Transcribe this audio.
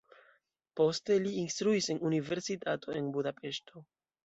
Poste li instruis en universitato en Budapeŝto.